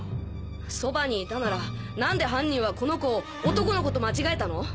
そばにいたならなんで犯人はこの子を男の子と間違えたの？